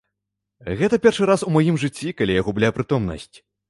Гэта першы раз у маім жыцці, калі я губляю прытомнасць.